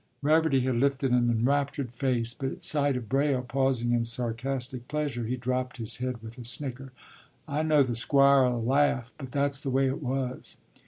” Reverdy had lifted an enraptured face, but at sight of Braile pausing in sarcastic pleasure, he dropped his head with a snicker. “I know the Squire'll laugh. But that's the way it was.